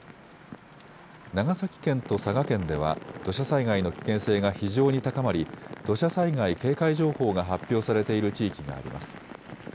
長崎県と佐賀県では土砂災害の危険性が非常に高まり土砂災害警戒情報が発表されている地域があります。